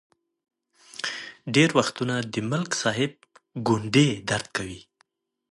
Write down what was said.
ډېر وختونه د ملک صاحب ګونډې درد کوي.